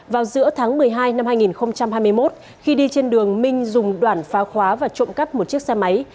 vào giữa tháng một mươi hai năm hai nghìn hai mươi một khi đi trên đường minh dùng đoạn phá khóa và trộm cắp một chiếc xe máy